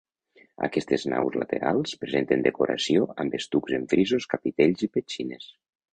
Aquestes naus laterals presenten decoració amb estucs en frisos, capitells i petxines.